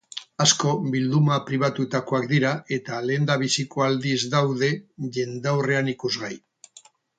Asko bilduma pribatuetakoak dira eta lehendabiziko aldiz daude jendaurreran ikusgai.